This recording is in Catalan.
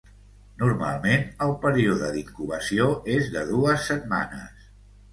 Normalment, el període d'incubació és de dues setmanes.